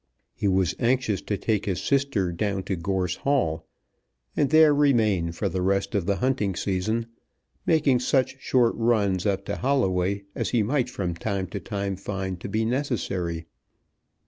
He was anxious to take his sister down to Gorse Hall, and there remain for the rest of the hunting season, making such short runs up to Holloway as he might from time to time find to be necessary.